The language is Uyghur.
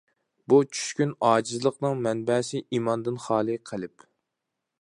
بۇ چۈشكۈن ئاجىزلىقنىڭ مەنبەسى ئىماندىن خالىي قەلب.